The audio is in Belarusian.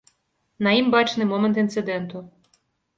На ім бачны момант інцыдэнту.